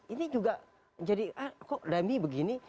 ini juga jadi ah kok dummy begini